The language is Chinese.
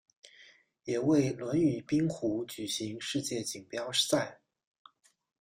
也为轮椅冰壶举行世界锦标赛。